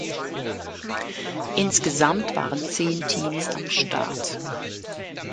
Insgesamt waren zehn Teams am Start.